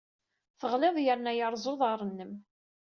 Teɣliḍ yerna yerreẓ uḍar-nnem.